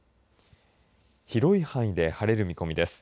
広い範囲で晴れる見込みです。